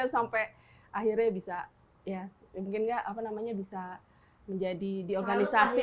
sampai akhirnya bisa ya mungkin nggak apa namanya bisa menjadi di organisasi